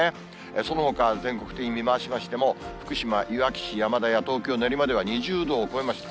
そのほか、全国的に見ましても、福島・いわき市山田や東京・練馬では２０度を超えました。